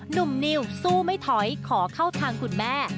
หนุ่มนิวสู้ไม่ถอยขอเข้าทางคุณแม่